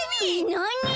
なに！